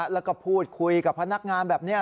แล้วก็พูดคุยกับพนักงานแบบนี้